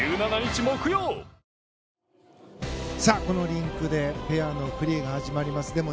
このリンクでペアのフリーが始まります。